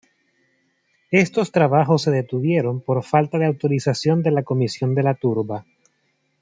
Estos trabajos se detuvieron por falta de autorización de la Comisión de la Turba.